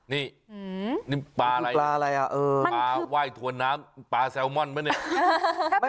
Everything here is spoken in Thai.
นี่ปลาอะไรปลาไหว้ถวนน้ำปลาแซลมอนไหมเนี่ย